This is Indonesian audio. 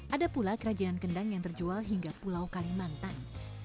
ada pula kerajinan kendang yang terjual hingga pulau kalimantan